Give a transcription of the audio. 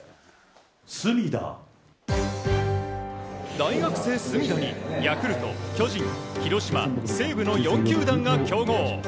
大学生の隅田にヤクルト、巨人、広島、西武の４球団が競合。